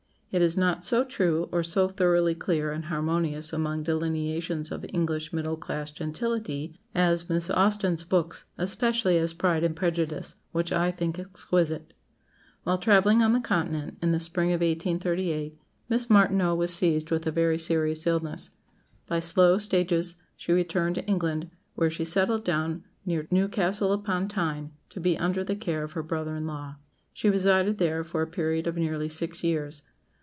It is not so true or so thoroughly clear and harmonious among delineations of English middle class gentility as Miss Austen's books, especially as 'Pride and Prejudice,' which I think exquisite." While travelling on the Continent, in the spring of 1838, Miss Martineau was seized with a very serious illness. By slow stages she returned to England, where she settled down near Newcastle upon Tyne, to be under the care of her brother in law. She resided there for a period of nearly six years.